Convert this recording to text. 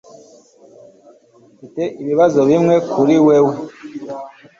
mfite ibibazo bimwe kuri wewe